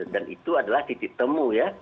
dan itu adalah titik temu